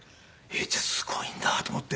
じゃあすごいんだと思って。